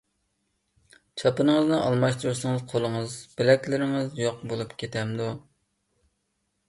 چاپىنىڭىزنى ئالماشتۇرسىڭىز، قولىڭىز، بىلەكلىرىڭىز يوق بولۇپ كېتەمدۇ؟